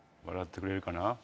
笑ってくれるかな？